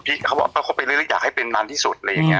พี่เขาบอกว่าคบไปเรื่อยอยากให้เป็นนานที่สุด